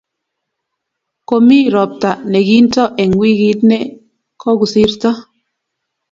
komi robta ne kinto eng' wikit ne kokusirto